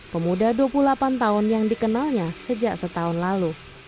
pemuda dua puluh delapan tahun yang dikenalnya sejak setahun lalu